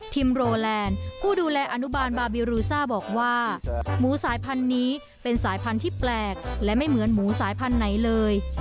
โรแลนด์ผู้ดูแลอนุบาลบาบิรูซ่าบอกว่าหมูสายพันธุ์นี้เป็นสายพันธุ์ที่แปลกและไม่เหมือนหมูสายพันธุ์ไหนเลย